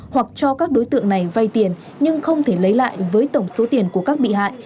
hoặc cho các đối tượng này vay tiền nhưng không thể lấy lại với tổng số tiền của các bị hại